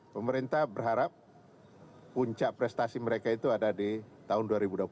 pemerintah berharap puncak prestasi mereka itu ada di tahun dua ribu dua puluh empat